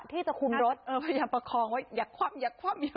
ที่จะคุมรถเออพยายามประคองไว้อยากคว่ำอยากคว่ำ